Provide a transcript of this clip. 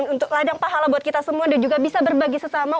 untuk ladang pahala buat kita semua dan juga bisa berbagi sesama